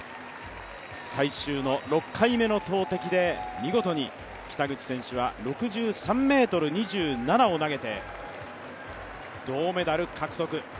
最終の６回目の投てきで見事に北口選手は６３ｍ２７を投げて銅メダル獲得。